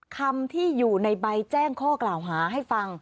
คำที่อยู่ในใบแจ้งข้อกล่าวหาให้ฟัง